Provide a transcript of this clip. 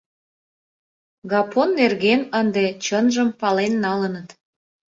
Гапон нерген ынде чынжым пален налыныт.